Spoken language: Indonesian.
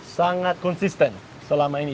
sangat konsisten selama ini